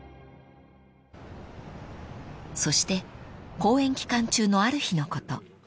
［そして公演期間中のある日のこと］